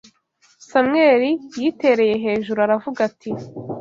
Samweli yitereye hejuru aravuga ati: